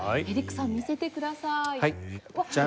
エリックさん見せてください。